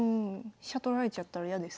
飛車取られちゃったら嫌ですね。